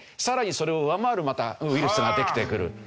さらにそれを上回るウイルスができてくる。